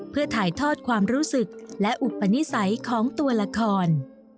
เพื่อถ่ายทอดความรู้สึกและอุปนิสัยของตัวละคร